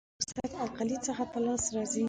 د سوډیم هایدرو اکسایډ القلي څخه په لاس راځي.